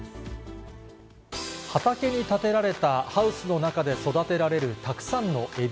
畑に建てられたハウスの中で育てられる、たくさんのエビ。